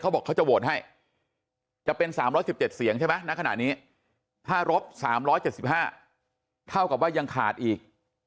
บอกเขาจะโหวตให้จะเป็น๓๑๗เสียงใช่ไหมณขณะนี้ถ้ารบ๓๗๕เท่ากับว่ายังขาดอีก